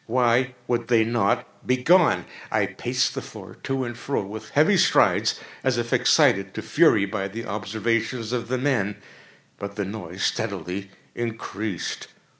Why would they not be gone? I paced the floor to and fro with heavy strides, as if excited to fury by the observations of the men—but the noise steadily increased.